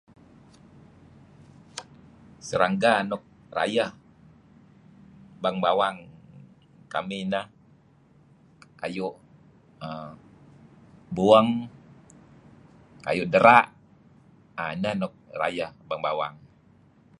Serangga nuk rayeh bang bawang kamih neh kayu' buweng, kayu' dera' ,err inah luk rayeh bang bawang